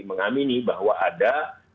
mengamini bahwa ada